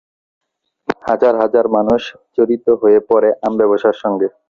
হাজার হাজার মানুষ জড়িত হয়ে পড়ে আম ব্যবসার সঙ্গে।